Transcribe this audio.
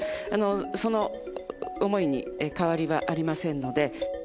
その思いに変わりはありませんので。